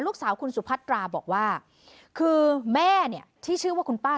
ลูกสาวคุณสุพัตราบอกว่าคือแม่เนี่ยที่ชื่อว่าคุณป้า